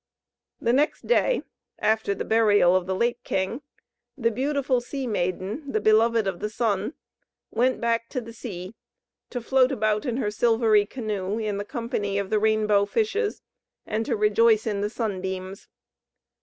The next day, after the burial of the late king, the beautiful sea maiden, the beloved of the Sun, went back to the sea, to float about in her silvery canoe, in the company of the rainbow fishes, and to rejoice in the sunbeams.